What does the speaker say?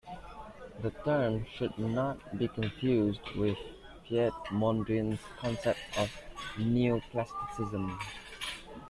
The term should not be confused with Piet Mondrian's concept of "Neoplasticism".